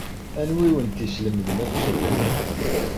Anwa ay awent-yeslemden ad tceḍḥemt?